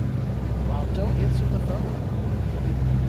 While Don't Answer the Phone!